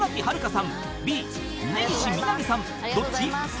［どっち？］